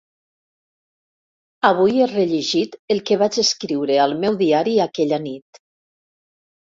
Avui he rellegit el que vaig escriure al meu diari aquella nit.